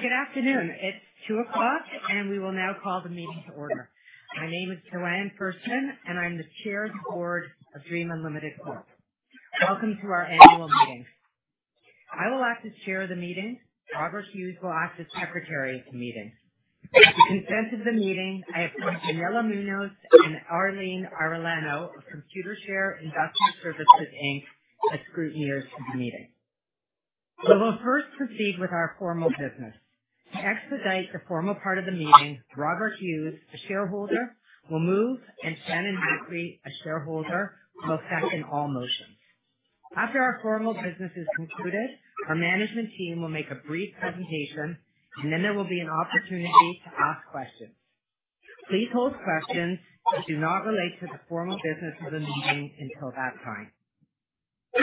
Good afternoon. It's 2:00 P.M., and we will now call the meeting to order. My name is Joanne Ferstman, and I'm the Chair of the Board of Dream Unlimited Corp. Welcome to our annual meeting. I will act as chair of the meeting. Robert Hughes will act as secretary of the meeting. With the consent of the meeting, I appoint Daniela Munoz and Arlene Arellano of Computershare Investor Services Inc. as scrutineers of the meeting. We will first proceed with our formal business. To expedite the formal part of the meeting, Robert Hughes, a shareholder, will move, and Shannon Macri, a shareholder, will second all motions. After our formal business is concluded, our management team will make a brief presentation, and then there will be an opportunity to ask questions. Please hold questions that do not relate to the formal business of the meeting until that time.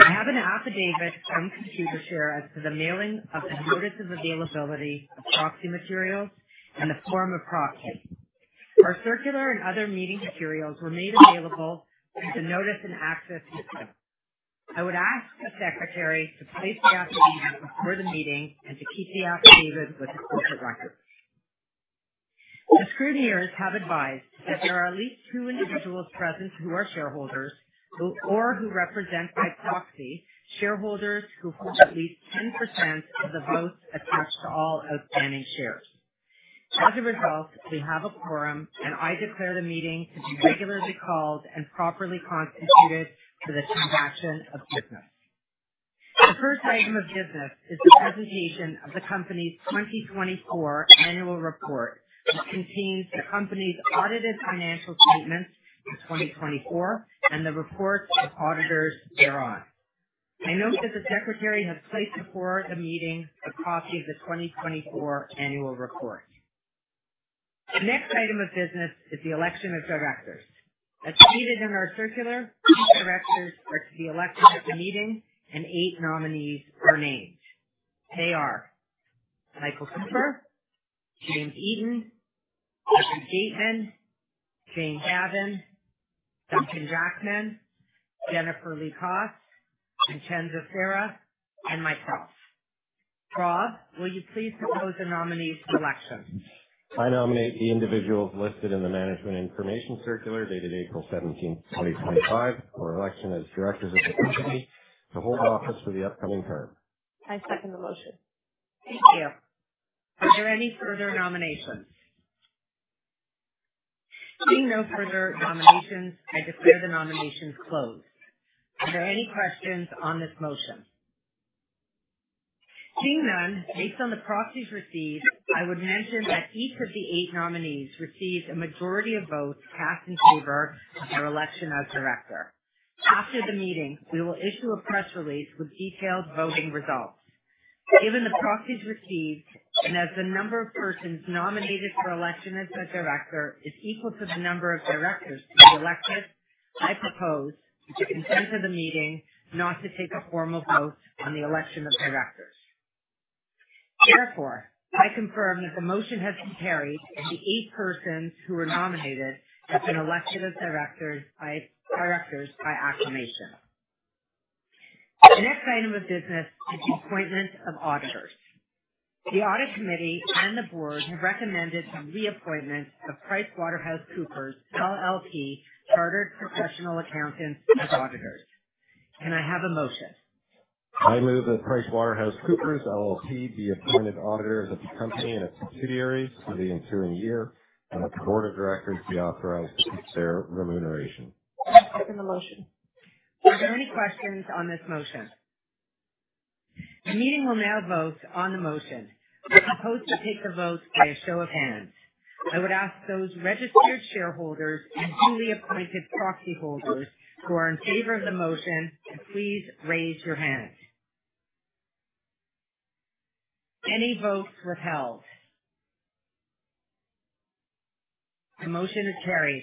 I have an affidavit from Computershare as to the mailing of the Notice of Availability of Proxy Materials in the form of proxies. Our circular and other meeting materials were made available through the Notice and Access system. I would ask the secretary to place the affidavit before the meeting and to keep the affidavit with the corporate records. The scrutineers have advised that there are at least two individuals present who are shareholders or who represent by proxy shareholders who hold at least 10% of the votes attached to all outstanding shares. As a result, we have a quorum, and I declare the meeting to be regularly called and properly constituted for the transaction of business. The first item of business is the presentation of the company's 2024 annual report, which contains the company's audited financial statements for 2024 and the reports of auditors thereon. I note that the secretary has placed before the meeting a copy of the 2024 annual report. The next item of business is the election of directors. As stated in our circular, two directors are to be elected at the meeting, and eight nominees are named. They are Michael Cooper, James Eaton, Gaitman, Jane Gavin, Duncan Jackman, Jennifer Lee Kass, Mackenzei Farah, and myself. Rob, will you please propose a nominee to election? I nominate the individuals listed in the management information circular dated April 17, 2025, for election as directors of the company to hold office for the upcoming term. I second the motion. Thank you. Are there any further nominations? Seeing no further nominations, I declare the nominations closed. Are there any questions on this motion? Seeing none, based on the proxies received, I would mention that each of the eight nominees received a majority of votes cast in favor of their election as director. After the meeting, we will issue a press release with detailed voting results. Given the proxies received and as the number of persons nominated for election as director is equal to the number of directors to be elected, I propose that the consent of the meeting not to take a formal vote on the election of directors. Therefore, I confirm that the motion has been carried and the eight persons who were nominated have been elected as directors by acclamation. The next item of business is the appointment of auditors. The audit committee and the board have recommended the reappointment of PricewaterhouseCoopers LLP, Chartered Professional Accountants as auditors. Can I have a motion? I move that PricewaterhouseCoopers LLP be appointed auditors of the company and its subsidiaries for the ensuing year, and that the board of directors be authorized to keep their remuneration. I second the motion. Are there any questions on this motion? The meeting will now vote on the motion. I propose we take the vote by a show of hands. I would ask those registered shareholders and duly appointed proxy holders who are in favor of the motion to please raise your hand. Any votes withheld? The motion is carried.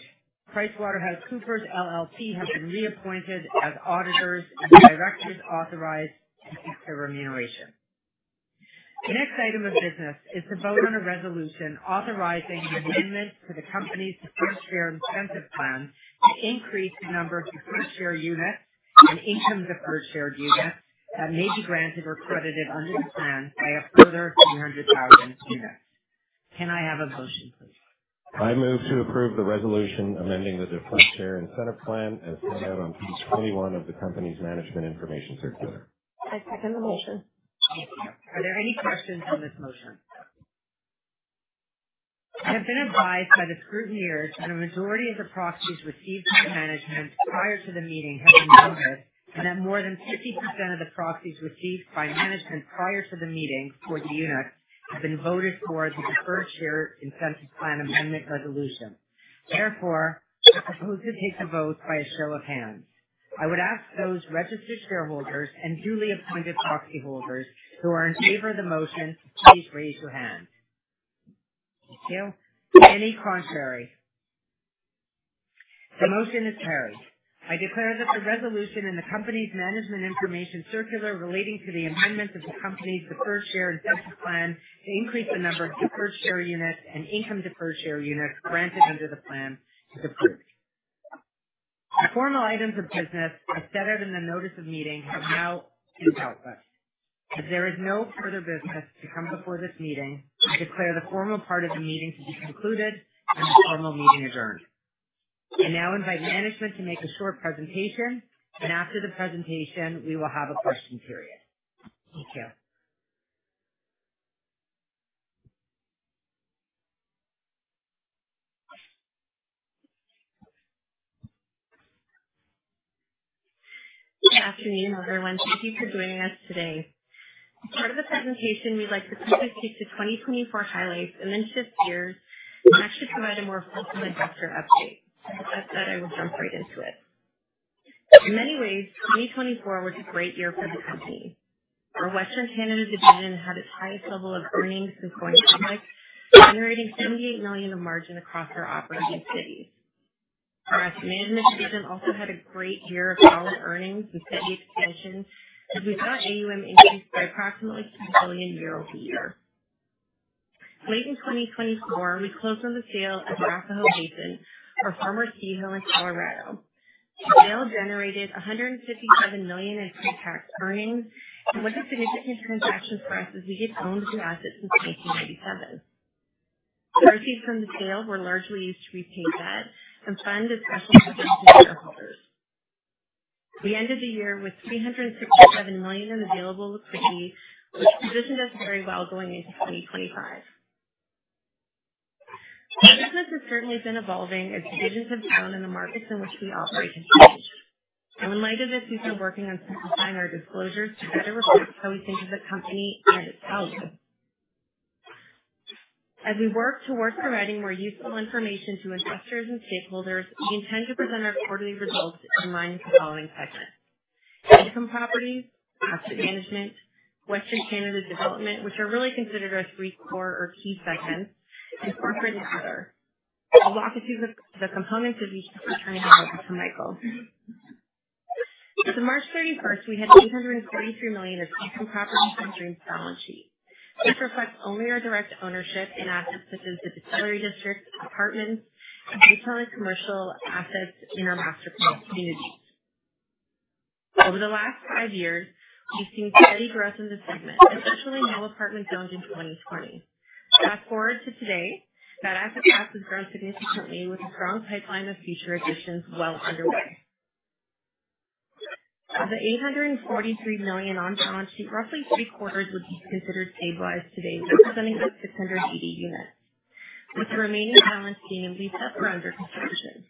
PricewaterhouseCoopers LLP has been reappointed as auditors and directors authorized to keep their remuneration. The next item of business is to vote on a resolution authorizing amendments to the company's Deferred Share Incentive Plan to increase the number of deferred share units and income deferred share units that may be granted or credited under the plan by a further 300,000 units. Can I have a motion, please? I move to approve the resolution amending the Deferred Share Incentive Plan as set out on page 21 of the company's management information circular. I second the motion. Thank you. Are there any questions on this motion? I have been advised by the scrutineer that a majority of the proxies received by management prior to the meeting have been voted and that more than 50% of the proxies received by management prior to the meeting for the units have been voted for the preferred share incentive plan amendment resolution. Therefore, I propose to take the vote by a show of hands. I would ask those registered shareholders and duly appointed proxy holders who are in favor of the motion to please raise your hand. Thank you. Any contrary? The motion is carried. I declare that the resolution in the company's management information circular relating to the amendment of the company's Deferred Share Incentive Plan to increase the number of deferred share units and income deferred share units granted under the plan is approved. The formal items of business as set out in the notice of meeting have now been held. As there is no further business to come before this meeting, I declare the formal part of the meeting to be concluded and the formal meeting adjourned. I now invite management to make a short presentation, and after the presentation, we will have a question period. Thank you. Good afternoon, everyone. Thank you for joining us today. As part of the presentation, we'd like to quickly speak to 2024 highlights and then shift gears to actually provide a more fulsome investor update. With that said, I will jump right into it. In many ways, 2024 was a great year for the company. Our Western Canada Land division had its highest level of earnings since going public, generating 78 million in margin across our operating cities. Our asset management division also had a great year of solid earnings and steady expansion as we saw AUM increase by approximately CAD 2 billion year over year. Late in 2024, we closed on the sale of the Arapahoe Basin, our former ski hill in Colorado. The sale generated 157 million in pre-tax earnings and was a significant transaction for us as we had owned the asset since 1997. The proceeds from the sale were largely used to repay debt and fund the special interest of shareholders. We ended the year with 367 million in available liquidity, which positioned us very well going into 2025. Our business has certainly been evolving as decisions have grown and the markets in which we operate have changed. In light of this, we've been working on simplifying our disclosures to better reflect how we think of the company and its value. As we work towards providing more useful information to investors and stakeholders, we intend to present our quarterly results in line with the following segments: income properties, asset management, Western Canada development, which are really considered our three core or key segments, and corporate and other. I'll walk you through the components of each. Returning the mic to Michael. As of March 31, we had 843 million in income properties on Dream's balance sheet. This reflects only our direct ownership in assets such as the Distillery District, apartments, and retail and commercial assets in our master plan communities. Over the last five years, we've seen steady growth in the segment, especially new apartments owned in 2020. Fast forward to today, that asset class has grown significantly with a strong pipeline of future additions well underway. Of the 843 million on balance sheet, roughly three-quarters would be considered stabilized today, representing about 680 units, with the remaining balance being at lease-up or under construction.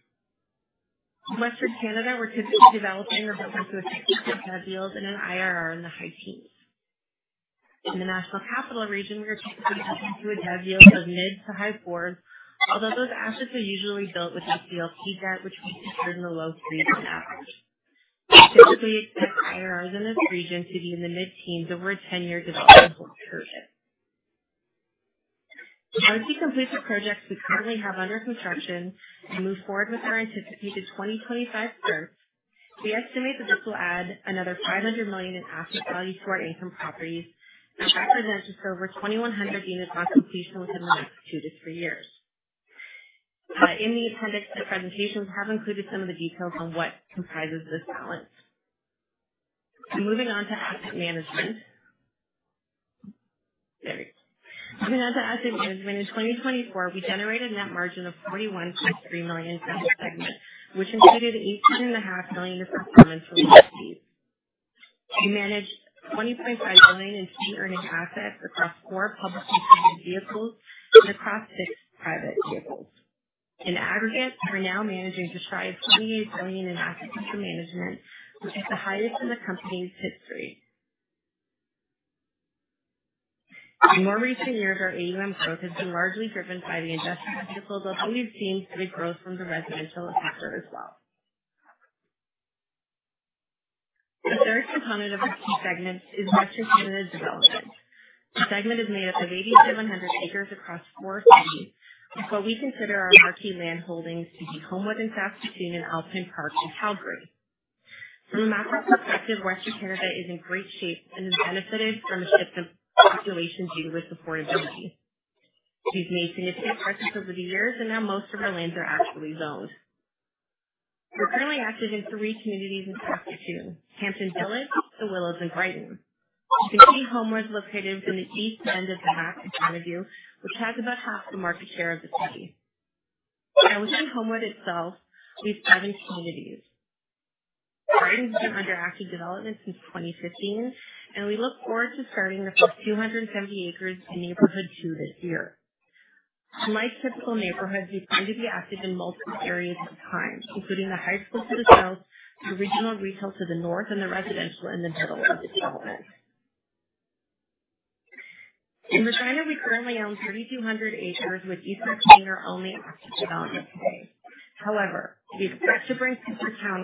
In Western Canada, we're typically developing or building to a 60% deal and an IRR in the high teens. In the National Capital Region, we are typically building to a degree of mid to high fours, although those assets are usually built with a CLP debt, which we consider in the low-three-month average. We typically expect IRRs in this region to be in the mid-teens over a 10-year development hold period. Once we complete the projects we currently have under construction and move forward with our anticipated 2025 start, we estimate that this will add another 500 million in asset value to our income properties, and that represents just over 2,100 units on completion within the next two to three years. In the appendix to the presentation, we have included some of the details on what comprises this balance. Moving on to asset management. Moving on to asset management, in 2024, we generated net margin of 41.3 million in the segment, which included 18.5 million in performance related fees. We managed 20.5 million in key earning assets across four publicly traded vehicles and across six private vehicles. In aggregate, we're now managing just shy of 28 billion in asset management, which is the highest in the company's history. In more recent years, our AUM growth has been largely driven by the investment vehicles, although we've seen good growth from the residential sector as well. The third component of our key segment is Western Canada development. The segment is made up of 8,700 acres across four cities, with what we consider our marquee land holdings to be Homewood in Saskatoon and Alpine Park in Calgary. From a macro perspective, Western Canada is in great shape and has benefited from a shift in population due to its affordability. We've made significant purchases over the years, and now most of our lands are actually zoned. We're currently active in three communities in Saskatoon: Hampton Village, The Willows, and Graton. You can see Homewood's located within the east end of the map in front of you, which has about half the market share of the city. Now, within Homewood itself, we have seven communities. Graton has been under active development since 2015, and we look forward to starting the first 270 acres in Neighborhood 2 this year. Unlike typical neighborhoods, we plan to be active in multiple areas at a time, including the high school to the south, the regional retail to the north, and the residential in the middle of the development. In Regina, we currently own 3,200 acres with eastern chain our only active development today. However, we expect to bring Cooper Town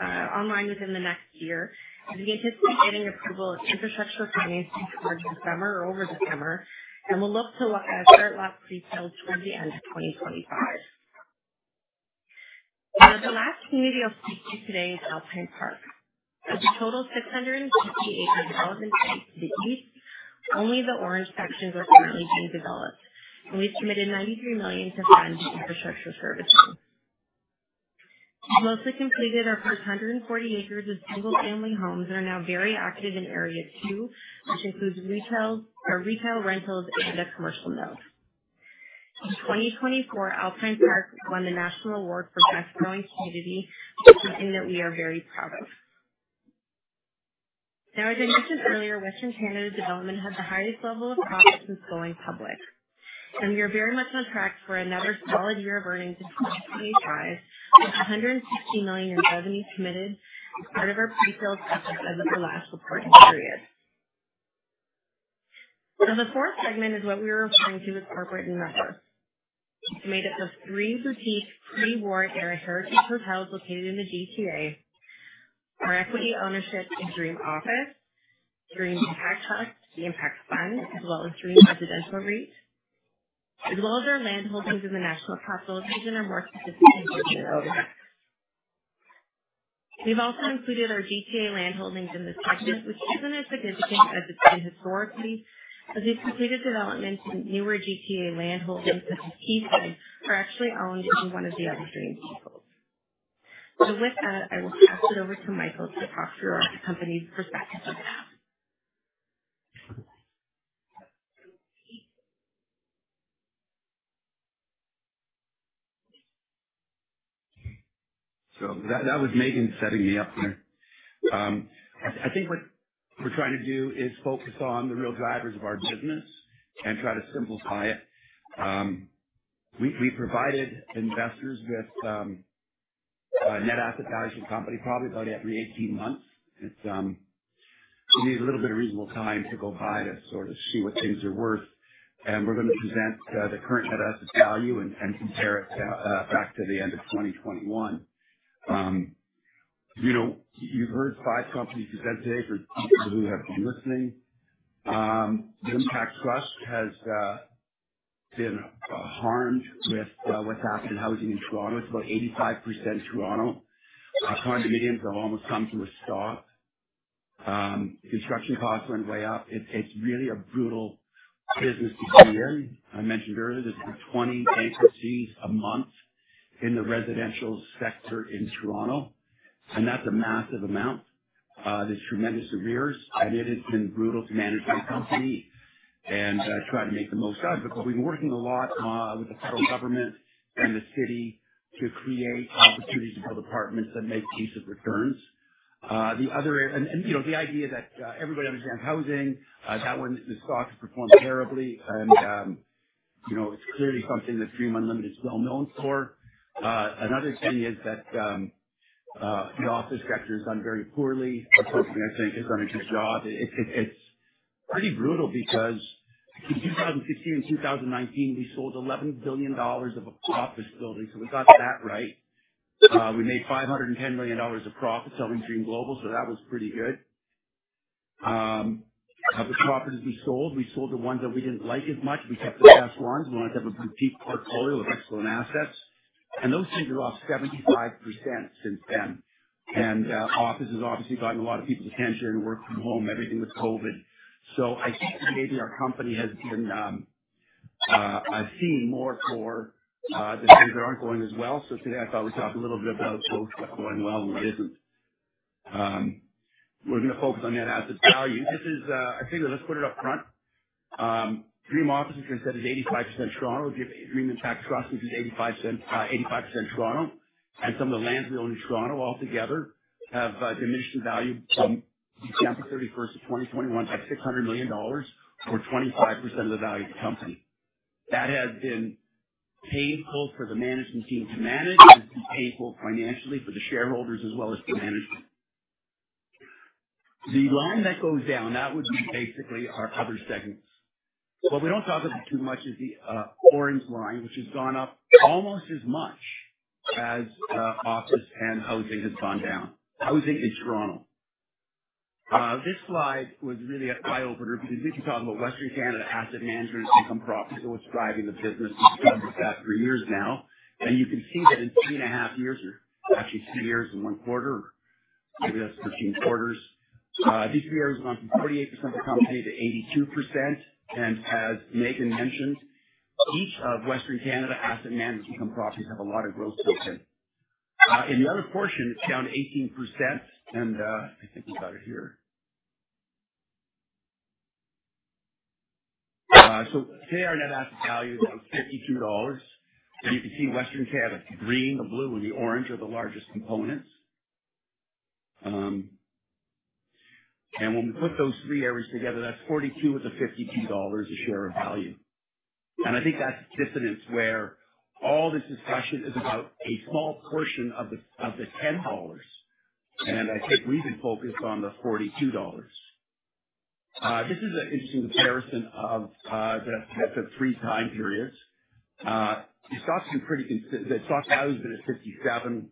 online within the next year, as we anticipate getting approval of infrastructure financing towards the summer or over the summer, and we'll look to start lot pre-sales towards the end of 2025. The last community I'll speak to today is Alpine Park. Of the total 650 acres of development site to the east, only the orange sections are currently being developed, and we've committed 93 million to fund infrastructure servicing. We've mostly completed our first 140 acres of single-family homes and are now very active in Area 2, which includes retail, rentals, and a commercial node. In 2024, Alpine Park won the National Award for Best Growing Community, which is something that we are very proud of. Now, as I mentioned earlier, Western Canada development had the highest level of profit since going public, and we are very much on track for another solid year of earnings in 2025 with 160 million in revenue committed as part of our pre-sales efforts as of the last reporting period. Now, the fourth segment is what we were referring to as corporate and renters. It is made up of three boutique pre-war era heritage hotels located in the DTA. Our equity ownership is Dream Office, Dream Impact Trust, the Impact Fund, as well as Dream Residential REIT, as well as our land holdings in the National Capital Region are more significant than others. We've also included our DTA land holdings in this segment, which isn't as significant as it's been historically, as we've completed development in newer DTA land holdings such as Keystone are actually owned by one of the other Dream people. With that, I will pass it over to Michael to talk through our company's perspective on that. That was Meaghan setting me up there. I think what we are trying to do is focus on the real drivers of our business and try to simplify it. We provided investors with a net asset valuation company probably about every 18 months. We need a little bit of reasonable time to go by to sort of see what things are worth, and we are going to present the current net asset value and compare it back to the end of 2021. You have heard five companies present today for people who have been listening. The Impact Trust has been harmed with what has happened in housing in Toronto. It is about 85% Toronto. Our condominiums have almost come to a stop. Construction costs went way up. It is really a brutal business to be in. I mentioned earlier there's been 20 bankruptcies a month in the residential sector in Toronto, and that's a massive amount. There's tremendous arrears, and it has been brutal to manage my company and try to make the most out of it, but we've been working a lot with the federal government and the city to create opportunities to build apartments that make decent returns. The idea that everybody understands housing, that one the stock has performed terribly, and it's clearly something that Dream Unlimited is well known for. Another thing is that the office sector has done very poorly. Our company, I think, has done a good job. It's pretty brutal because in 2016 and 2019, we sold 11 billion dollars of a profit building, so we got that right. We made 510 million dollars of profit selling Dream Global, so that was pretty good. Of the properties we sold, we sold the ones that we did not like as much. We kept the best ones. We wanted to have a boutique portfolio of excellent assets, and those things are off 75% since then. Office has obviously gotten a lot of people's attention, work from home, everything with COVID. I think maybe our company has been seen more for the things that are not going as well. Today, I thought we would talk a little bit about both what is going well and what is not. We are going to focus on net asset value. I figured let's put it up front. Dream Office, as I said, is 85% Toronto. Dream Impact Trust, which is 85% Toronto, and some of the lands we own in Toronto altogether have diminished in value from December 31, 2021 by 600 million dollars for 25% of the value of the company. That has been painful for the management team to manage and painful financially for the shareholders as well as for management. The line that goes down, that would be basically our other segments. What we do not talk about too much is the orange line, which has gone up almost as much as office and housing has gone down. Housing in Toronto. This slide was really a tie-opener because we can talk about Western Canada asset management and income properties. It was driving the business. We have done that for years now, and you can see that in three and a half years, or actually three years and one quarter, or maybe that is 13 quarters, these three years have gone from 48% of the company to 82%. And as Meaghan mentioned, each of Western Canada asset management income properties have a lot of growth built in. In the other portion, it's down 18%, and I think we got it here. Today, our net asset value is about 52 dollars, and you can see Western Canada, the green, the blue, and the orange are the largest components. When we put those three areas together, that's 42 of the 52 dollars a share of value. I think that's dissonance where all this discussion is about a small portion of the 10 dollars, and I think we've been focused on the 42 dollars. This is an interesting comparison of the three time periods. The stock value has been at 57,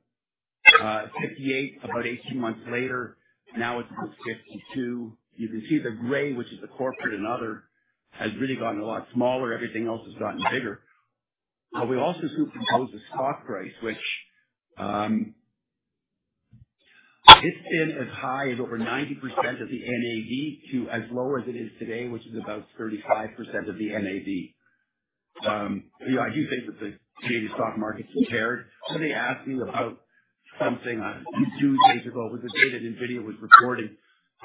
58 about 18 months later. Now it's at 52. You can see the gray, which is the corporate and other, has really gotten a lot smaller. Everything else has gotten bigger. We also superimpose the stock price, which has been as high as over 90% of the NAV to as low as it is today, which is about 35% of the NAV. I do think that the Canadian stock market is impaired. Somebody asked me about something a few days ago with the data NVIDIA was reporting,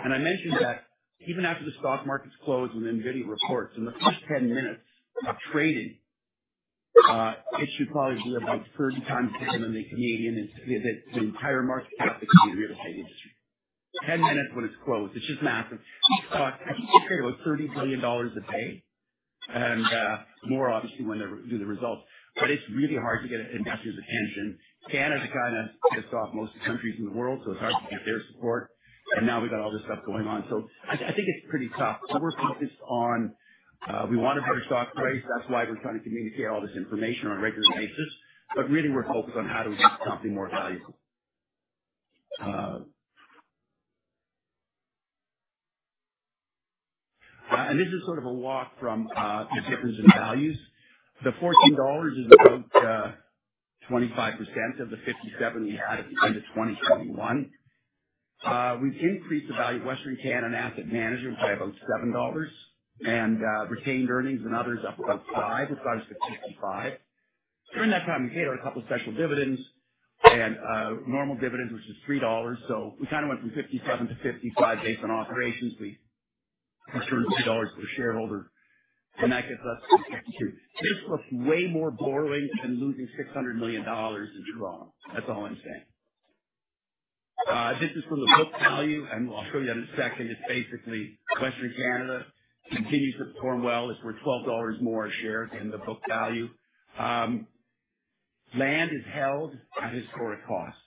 and I mentioned that even after the stock market is closed when NVIDIA reports, in the first 10 minutes of trading, it should probably be about 30 times bigger than the entire market cap of the Canadian real estate industry. Ten minutes when it is closed. It is just massive. We have about 30 billion dollars to pay, and more obviously when they do the results, but it is really hard to get investors' attention. Canada kind of pissed off most countries in the world, so it's hard to get their support, and now we've got all this stuff going on. I think it's pretty tough. We're focused on we want a better stock price. That's why we're trying to communicate all this information on a regular basis, but really we're focused on how to make something more valuable. This is sort of a walk from the difference in values. The 14 dollars is about 25% of the 57 we had at the end of 2021. We've increased the value of Western Canada asset management by about 7 dollars and retained earnings and others up about 5. We've got us to 55. During that time, we paid out a couple of special dividends and normal dividends, which is 3 dollars, so we kind of went from 57 to 55 based on operations. We returned 3 dollars per shareholder, and that gets us to 52. This looks way more borrowing than losing 600 million dollars in Toronto. That's all I'm saying. This is from the book value, and I'll show you in a second. It's basically Western Canada continues to perform well. It's worth 12 dollars more a share than the book value. Land is held at historic costs.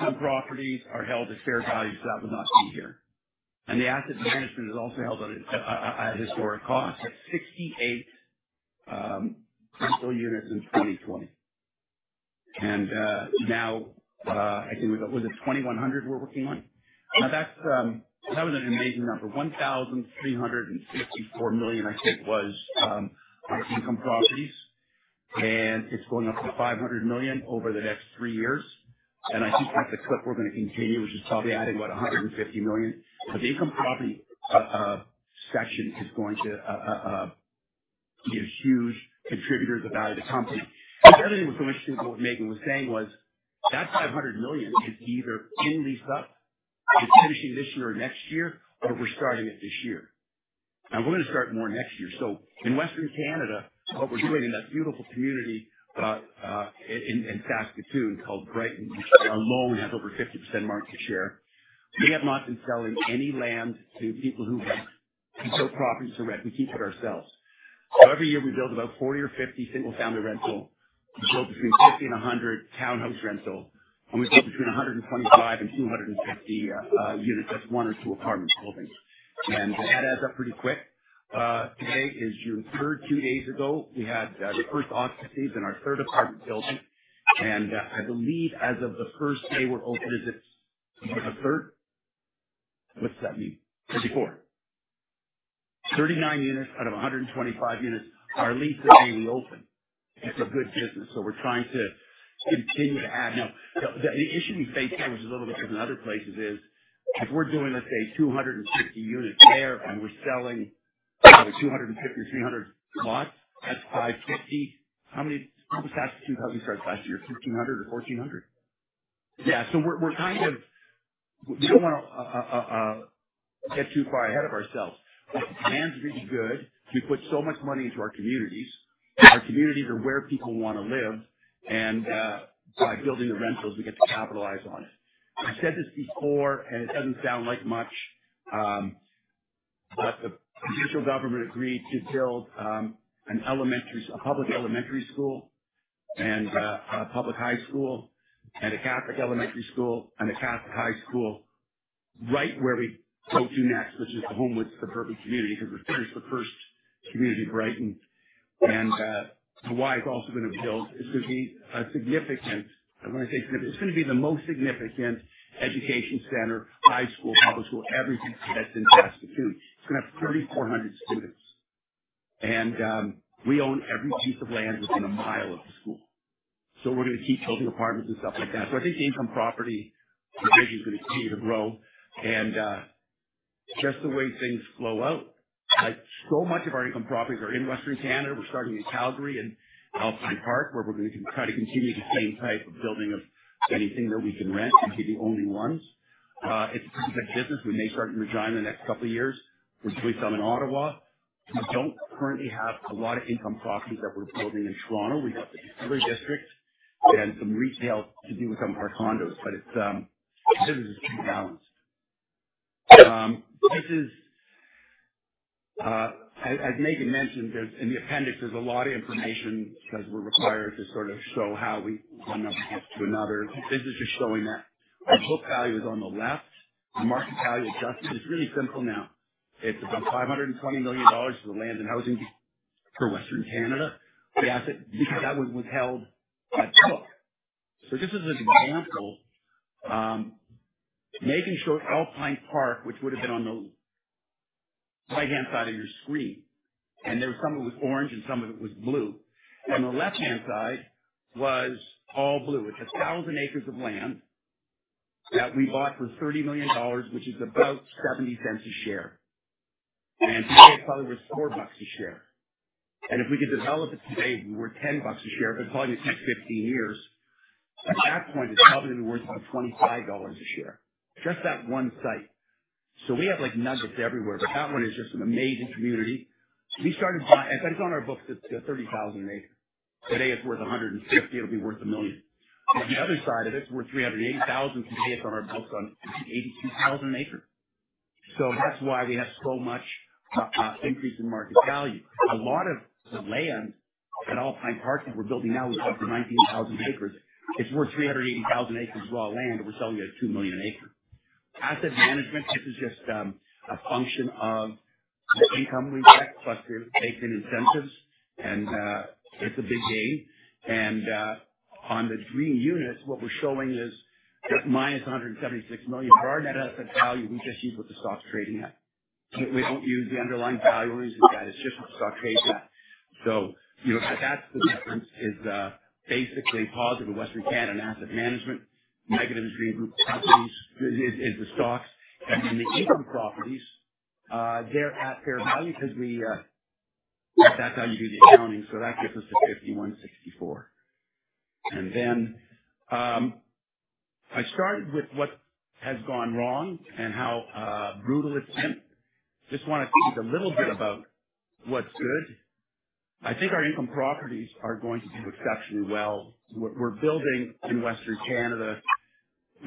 Income properties are held at fair value. That would not be here. And the asset management is also held at historic costs at 68 rental units in 2020. Now I think we've got, what is it, 2,100 we're working on? Now, that was an amazing number. 1,364 million, I think, was income properties, and it's going up to 500 million over the next three years. I think with the clip we're going to continue, which is probably adding about 150 million, but the income property section is going to be a huge contributor to the value of the company. The other thing that was so interesting in what Meaghan was saying was that 500 million is either in lease up, it's finishing this year or next year, or we're starting it this year. Now, we're going to start more next year. In Western Canada, what we're doing in that beautiful community in Saskatoon called Graton, which our loan has over 50% market share, we have not been selling any land to people who have built properties or rent. We keep it ourselves. Every year we build about 40 or 50 single-family rental, we build between 50 and 100 townhouse rental, and we build between 125 and 250 units, that is one or two apartment buildings. That adds up pretty quick. Today is June 3rd. Two days ago, we had the first occupancies in our third apartment building, and I believe as of the first day we are open, is it the third? What does that mean? 34. 39 units out of 125 units. Our lease is daily open. It is a good business, so we are trying to continue to add. Now, the issue we face here, which is a little bit different than other places, is if we are doing, let us say, 250 units there and we are selling 250 or 300 lots, that is 550. How much tax do you think we started last year? 1,500 or 1,400? Yeah. We are kind of we do not want to get too far ahead of ourselves. The demand is really good. We put so much money into our communities. Our communities are where people want to live, and by building the rentals, we get to capitalize on it. I have said this before, and it does not sound like much, but the provincial government agreed to build a public elementary school and a public high school and a Catholic elementary school and a Catholic high school right where we go to next, which is the Homewood Suburban Community because we are finished the first community of Graton. And Hawaii is also going to build a significant—I want to say significant. It is going to be the most significant education center, high school, public school, everything that is in Saskatoon. It's going to have 3,400 students, and we own every piece of land within a mile of the school. We're going to keep building apartments and stuff like that. I think the income property division is going to continue to grow. Just the way things flow out, so much of our income properties are in Western Canada. We're starting in Calgary and Alpine Park where we're going to try to continue the same type of building of anything that we can rent and be the only ones. It's a pretty good business. We may start in Regina in the next couple of years. We're doing some in Ottawa. We do not currently have a lot of income properties that we're building in Toronto. We've got the Distillery District and some retail to do with some of our condos, but the business is pretty balanced. As Meaghan mentioned, in the appendix, there's a lot of information because we're required to sort of show how we one number gets to another. This is just showing that. The book value is on the left. The market value adjusted is really simple now. It's about 520 million dollars for the land and housing for Western Canada. The asset because that one was held at the book. Just as an example, Meaghan showed Alpine Park, which would have been on the right-hand side of your screen, and there was some of it was orange and some of it was blue. The left-hand side was all blue. It's 1,000 acres of land that we bought for 30 million dollars, which is about 70 cents a share. Today, it probably was 4 bucks a share. If we could develop it today, we're 10 bucks a share. If it's selling in the next 15 years, at that point, it's probably going to be worth about 25 dollars a share. Just that one site. We have nuggets everywhere, but that one is just an amazing community. We started buying—I said it's on our books at 30,000 an acre. Today, it's worth 150,000. It'll be worth 1 million. On the other side of it, it's worth 380,000. Today, it's on our books at 82,000 an acre. That's why we have so much increase in market value. A lot of the land at Alpine Park that we're building now is up to 19,000 acres. It's worth 380,000 an acre of raw land, and we're selling it at 2 million an acre. Asset management, this is just a function of the income we get, but they've been incentives, and it's a big gain. On the Dream units, what we are showing is that minus 176 million. For our net asset value, we just use what the stock is trading at. We do not use the underlying value. We are using that. It is just what the stock trades at. The difference is basically positive with Western Canada and asset management. Negative is Dream Group properties, is the stocks. The income properties are at fair value because that is how you do the accounting. That gets us to 5,164 million. I started with what has gone wrong and how brutal it has been. I just want to speak a little bit about what is good. I think our income properties are going to do exceptionally well. We are building in Western Canada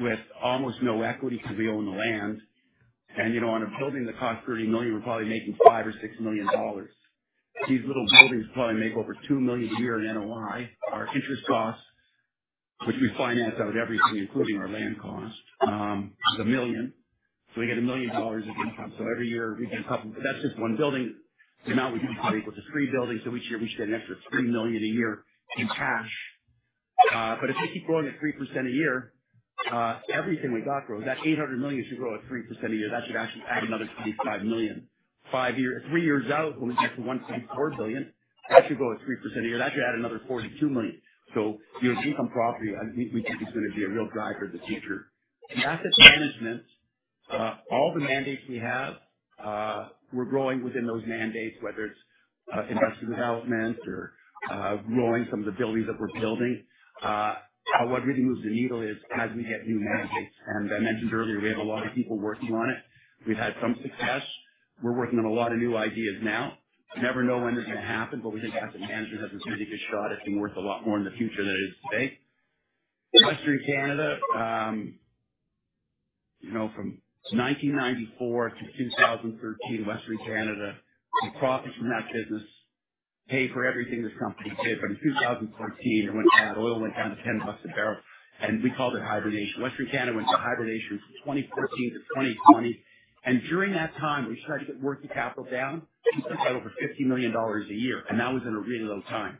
with almost no equity because we own the land. On a building that costs 30 million, we are probably making 5 million or 6 million dollars. These little buildings probably make over 2 million a year in NOI. Our interest costs, which we finance out everything, including our land cost, is 1 million. So we get 1 million dollars of income. Every year we get a couple—that is just one building. Now we do equal to three buildings. Each year we should get an extra 3 million a year in cash. If we keep growing at 3% a year, everything we got grows. That 800 million should grow at 3% a year. That should actually add another 25 million. Three years out, when we get to 1.4 billion, that should grow at 3% a year. That should add another 42 million. The income property, we think, is going to be a real driver of the future. The asset management, all the mandates we have, we're growing within those mandates, whether it's investment development or growing some of the buildings that we're building. What really moves the needle is as we get new mandates. I mentioned earlier, we have a lot of people working on it. We've had some success. We're working on a lot of new ideas now. Never know when it's going to happen, but we think asset management has a really good shot at being worth a lot more in the future than it is today. Western Canada, from 1994 to 2013, Western Canada profits from that business paid for everything this company did. In 2013, it went down. Oil went down to 10 bucks a barrel, and we called it hibernation. Western Canada went to hibernation from 2014 to 2020. During that time, we tried to get worth the capital down. We spent over 50 million dollars a year, and that was in a really low time.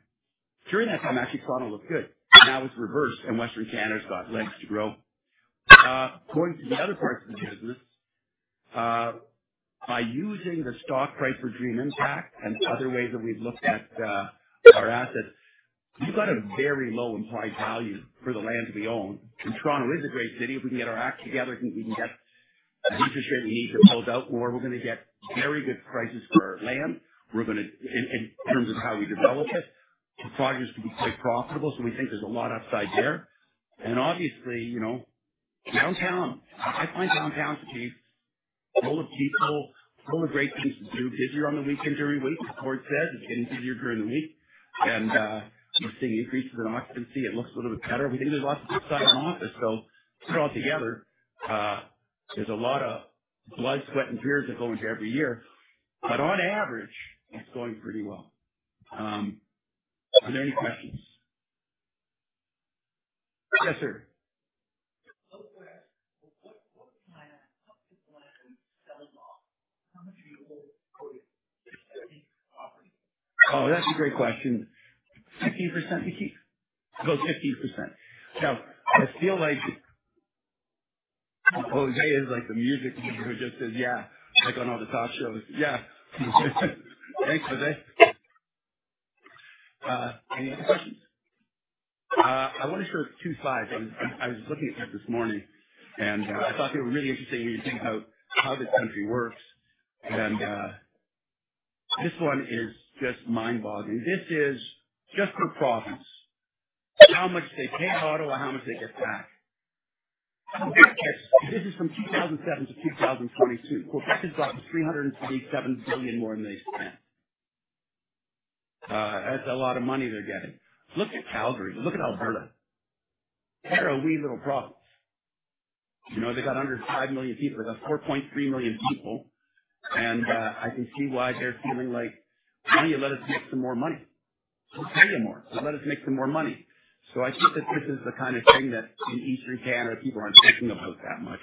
During that time, actually, Toronto looked good, and now it's reversed, and Western Canada's got legs to grow. Going to the other parts of the business, by using the stock price for Dream Impact and other ways that we've looked at our assets, we've got a very low implied value for the land we own. Toronto is a great city. If we can get our act together, I think we can get the interest rate we need to build out more. We're going to get very good prices for our land in terms of how we develop it. The projects can be quite profitable, so we think there's a lot upside there. Obviously, downtown, I find downtown to be full of people, full of great things to do. Busier on the weekend during the week, as Gordon said, it's getting busier during the week. We're seeing increases in occupancy. It looks a little bit better. We think there's lots of good stuff in office. Put it all together, there's a lot of blood, sweat, and tears that go into every year. On average, it's going pretty well. Are there any questions? Yes, sir. What would my top tip be on selling off? How much are you holding of these properties? Oh, that's a great question. 15% we keep. Go 15%. I feel like Jose is like the music keeper who just says, "Yeah," like on all the talk shows. Yeah. Thanks, Jose. Any other questions? I want to show two slides. I was looking at this this morning, and I thought they were really interesting when you think about how this country works. This one is just mind-boggling. This is just for profits. How much they pay to Ottawa? How much they get back? This is from 2007 to 2022. Quebec has gotten CAD 347 billion more than they spent. That's a lot of money they're getting. Look at Calgary. Look at Alberta. They're a wee little province. They've got under 5 million people. They've got 4.3 million people. I can see why they're feeling like, "Why don't you let us make some more money? We'll pay you more. Let us make some more money." I think that this is the kind of thing that in Eastern Canada, people aren't thinking about that much.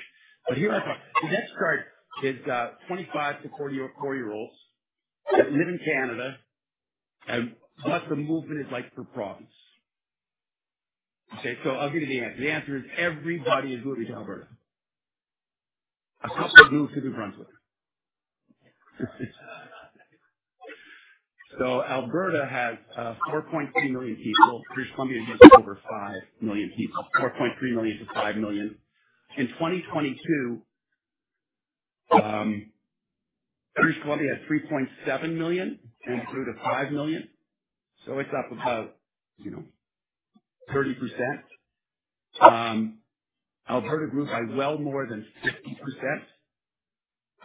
Here I thought the next chart is 25-40-year-olds that live in Canada and what the movement is like for profits. Okay. I'll give you the answer. The answer is everybody is moving to Alberta. A couple moved to New Brunswick. Alberta has 4.3 million people. British Columbia is over 5 million people. 4.3 million to 5 million. In 2022, British Columbia had 3.7 million and grew to 5 million. It's up about 30%. Alberta grew by well more than 50%.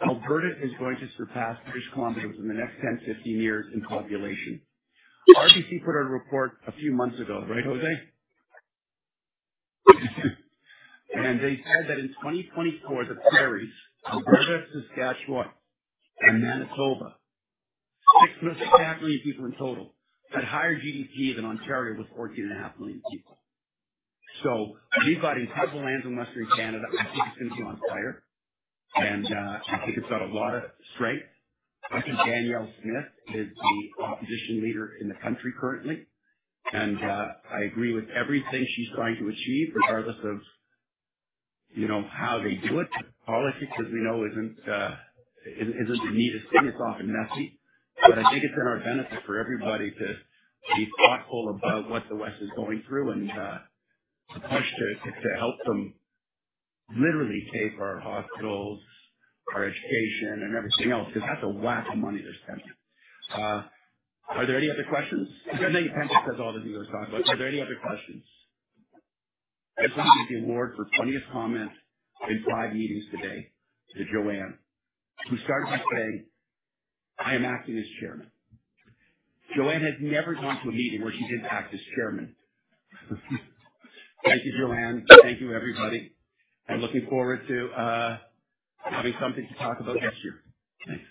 Alberta is going to surpass British Columbia within the next 10-15 years in population. RBC put out a report a few months ago, right, Jose? They said that in 2024, the prairies, Alberta, Saskatchewan, and Manitoba, 6.5 million people in total, had higher GDP than Ontario with 14.5 million people. We've got incredible land in Western Canada. I think it's going to be on fire. I think it's got a lot of strength. I think Danielle Smith is the opposition leader in the country currently. I agree with everything she's trying to achieve, regardless of how they do it. Politics, as we know, isn't the neatest thing. It's often messy. I think it's in our benefit for everybody to be thoughtful about what the West is going through and the push to help them literally pay for our hospitals, our education, and everything else because that's a whack of money they're spending. Are there any other questions? I know your pencil says all the things I was talking about. Are there any other questions? I just want to give the award for plenty of comments in five meetings today to Joanne, who started by saying, "I am acting as chairman." Joanne has never gone to a meeting where she did not act as chairman. Thank you, Joanne. Thank you, everybody. I am looking forward to having something to talk about next year. Thanks.